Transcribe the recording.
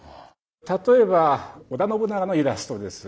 例えば織田信長のイラストです。